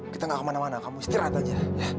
kita gak kemana mana kamu istirahat katanya